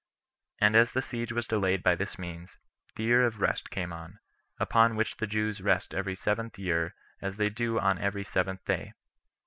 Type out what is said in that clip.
And as the siege was delayed by this means, the year of rest came on, upon which the Jews rest every seventh year as they do on every seventh day.